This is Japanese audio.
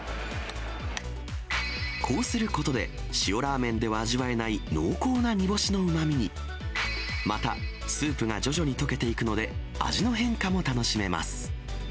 こうすることで、塩ラーメンでは味わえない濃厚な煮干しのうまみに、また、スープが徐々にとけていくので、味の変化も楽しめます。